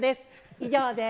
以上です。